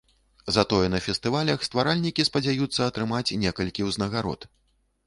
Затое на фестывалях стваральнікі спадзяюцца атрымаць некалькі ўзнагарод.